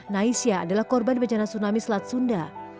naisyah adalah korban bencana tsunami selat sunda